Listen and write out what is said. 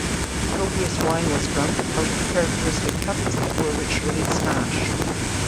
Copious wine was drunk, out of characteristic cups that were ritually smashed.